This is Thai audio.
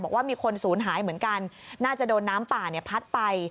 บอกว่ามีคนศูนย์หายเหมือนกันน่าจะโดนน้ำป่าเนี่ยพัดไป